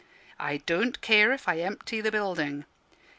I don't care if I empty the building.